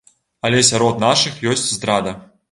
Але сярод нашых ёсць здрада.